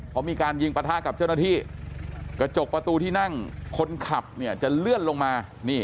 พอมีการยิงประทะกับเจ้าหน้าที่กระจกประตูที่นั่งคนขับเนี่ยจะเลื่อนลงมา